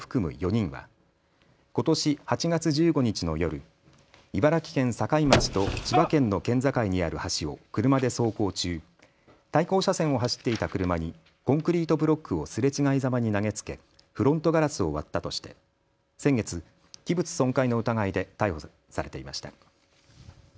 ４人はことし８月１５日の夜、茨城県境町と千葉県の県境にある橋を車で走行中対向車線を走っていた車にコンクリートブロックをすれ違いざまに投げつけフロントガラスを割ったとして先月、器物損壊の疑いで逮捕されていました。